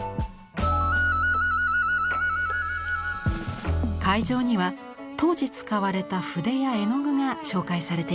会場には当時使われた筆や絵の具が紹介されています。